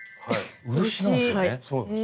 漆なんですね。